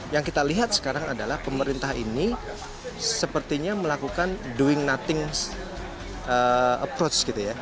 yang kita lihat sekarang adalah pemerintah ini sepertinya melakukan doing nothing